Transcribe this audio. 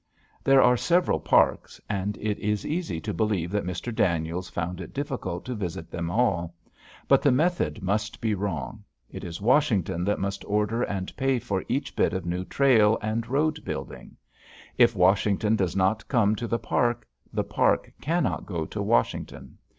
There are several parks, and it is easy to believe that Mr. Daniels found it difficult to visit them all. But the method must be wrong. It is Washington that must order and pay for each bit of new trail and road building. If Washington does not come to the park, the park cannot go to Washington.